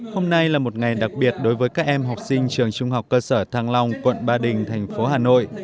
hôm nay là một ngày đặc biệt đối với các em học sinh trường trung học cơ sở thăng long quận ba đình thành phố hà nội